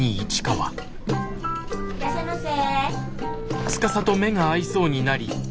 いらっしゃいませ。